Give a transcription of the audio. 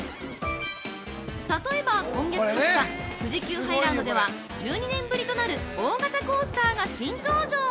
例えば、今月２０日富士急ハイランドでは１２年ぶりとなる大型コースターが新登場！